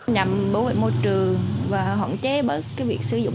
nhằm bảo vệ môi trường và hạn chế bởi việc sử dụng